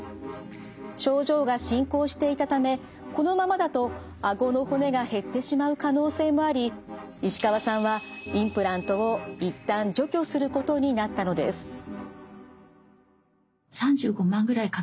症状が進行していたためこのままだとあごの骨が減ってしまう可能性もあり石川さんはあの私インプラント周囲炎ってほとんど知らなかったんですけど